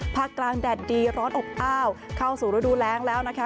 ภาคกลางแดดดีร้อนอบอ้าวเข้าสู่ฤดูแรงแล้วนะคะ